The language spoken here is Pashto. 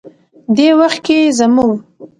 دې وخت کې زموږ